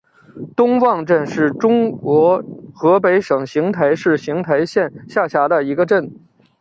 东汪镇是中国河北省邢台市邢台县下辖的一个镇。